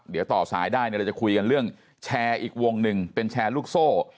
เดี๋ยวต่อสายได้เราจะคุยกันเรื่องแชร์อีกวงหนึ่งเป็นแชร์ลูกโซ่